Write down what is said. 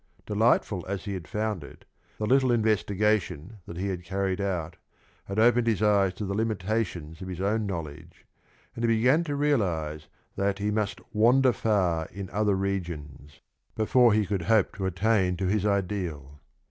Delightful as he had found it, the little investigation that he had carried out had opened his eyes to the limitations of his own knowledge and he began to realise that he " must wander far in other regions " before he could hope to attain to his ideal.